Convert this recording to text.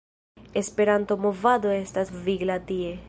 Esperanto-movado estas vigla tie.